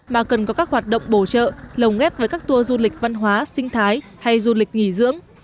mà cần có các hoạt động bổ trợ lồng ghép với các tour du lịch văn hóa sinh thái hay du lịch nghỉ dưỡng